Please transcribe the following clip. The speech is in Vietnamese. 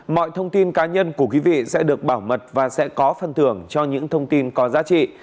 mọi thông tin cá nhân của quý vị sẽ được bảo mật và sẽ có phân thưởng cho những thông tin có giá trị